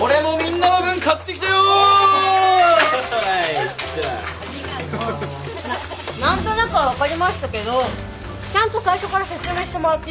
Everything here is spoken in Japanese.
なっ何となくは分かりましたけどちゃんと最初から説明してもらっていいですか？